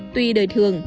tuy đời thường